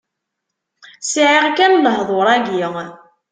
Sɛiɣ kan lehḍur-agi.